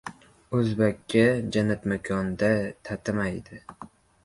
O‘zbakka jannatmakon-da tatimaydi.